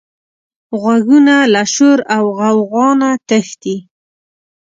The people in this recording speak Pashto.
غوږونه له شور او غوغا نه تښتي